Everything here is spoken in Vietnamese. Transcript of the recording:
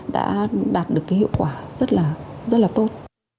đã đạt được hiệu quả rất là tốt